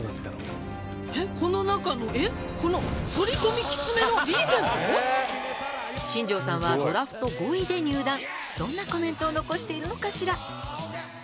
この中のえっ⁉新庄さんはドラフト５位で入団どんなコメントを残しているのかしら？